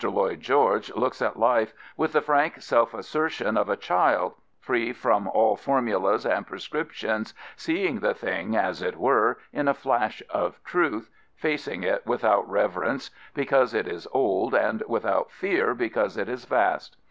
Lloyd George looks at life with the frank self assertion of a child, free from all formulas and prescriptions, seeing the thing, as it were, in a flash of truth, facing it without reverence because it is old and without fear because it is vast.